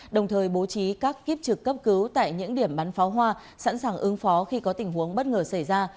đồng thời bố trí các kiếp trực cấp cứu tại những điểm bắn pháo hoa sẵn sàng ứng phó khi có tình huống bất ngờ xảy ra